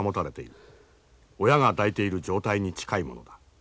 親が抱いている状態に近いものだ。